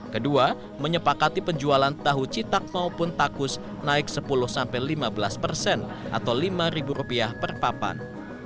kedua menyepakati penjualan tahu citak maupun takus naik sepuluh sampai lima belas persen atau lima ribu rupiah per papan